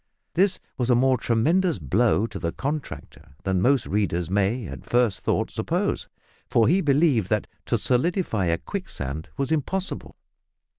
This was a more tremendous blow to the contractor than most readers may at first thought suppose, for he believed that to solidify a quicksand was impossible.